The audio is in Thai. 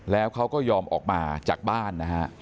แล้วเขาก็ยอมออกมาจากบ้านนะฮะ